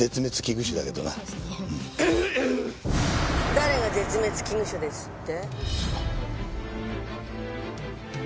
誰が絶滅危惧種ですって？